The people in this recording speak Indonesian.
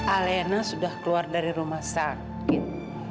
alena sudah keluar dari rumah sakit